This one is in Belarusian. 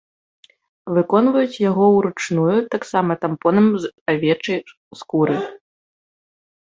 Выконваюць яго ўручную таксама тампонам з авечай скуры.